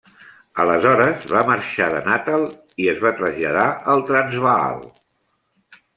Aleshores va marxar de Natal i es va traslladar al Transvaal.